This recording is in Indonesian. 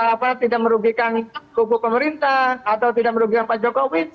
apa tidak merugikan kubu pemerintah atau tidak merugikan pak jokowi